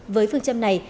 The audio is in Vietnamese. với phương châm này